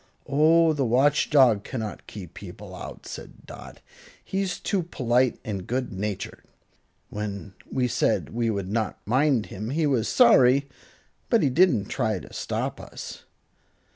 "Oh, the Watch Dog cannot keep people out," said Dot. "He's too polite and good natured. When we said we would not mind him he was sorry, but he didn't try to stop us."